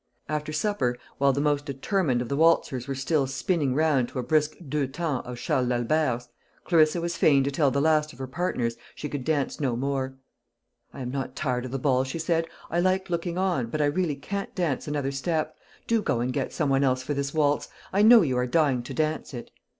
After supper, while the most determined of the waltzers were still spinning round to a brisk deux temps of Charles d'Albert's, Clarissa was fain to tell the last of her partners she could dance no more. "I am not tired of the ball," she said; "I like looking on, but I really can't dance another step. Do go and get some one else for this waltz; I know you are dying to dance it."